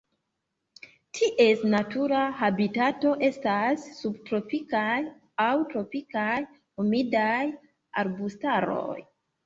Ties natura habitato estas subtropikaj aŭ tropikaj humidaj arbustaroj.